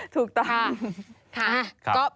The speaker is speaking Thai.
ถูกต้อง